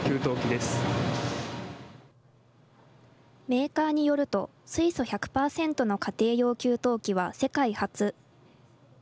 メーカーによると、水素１００％の家庭用給湯器は世界初。